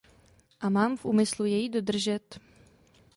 A mám v úmyslu jej dodržet.